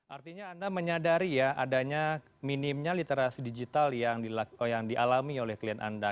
artinya anda menyadari ya adanya minimnya literasi digital yang dialami oleh klien anda